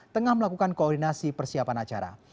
tengah melakukan koordinasi persiapan acara